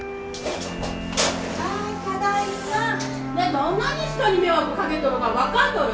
どんなに人に迷惑かけとるか分かっとる？